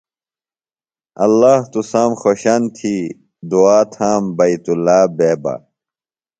ﷲ تُسام خوشن تھی دعا تھام بیت ﷲ بے بہ۔